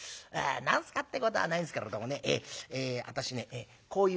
「何すかってことはないんすけれどもね私ねこういう者なんですよ」。